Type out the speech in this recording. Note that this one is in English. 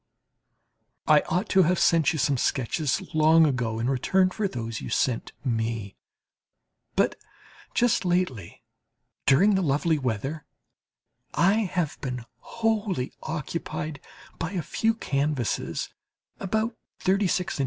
I ought to have sent you some sketches long ago, in return for those you sent me. But just lately, during the lovely weather, I have been wholly occupied by a few canvases about 36 in.